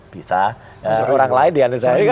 bisa orang lain diantaranya